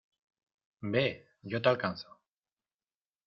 ¡ Ve! ¡ yo te alcanzo !